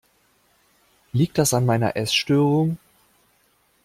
Liegt das an meiner Essstörung?